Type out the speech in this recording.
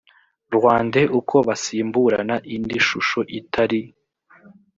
rwandais uko basimburana indi shusho itari